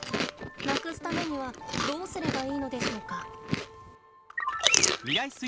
なくすためにはどうすればいいのでしょうか？